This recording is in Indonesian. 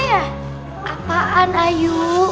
kayak biasa kan kau itu